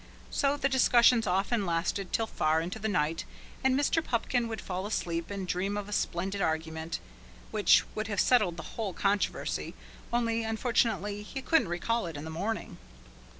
So the discussions often lasted till far into the night, and Mr. Pupkin would fall asleep and dream of a splendid argument, which would have settled the whole controversy, only unfortunately he couldn't recall it in the morning.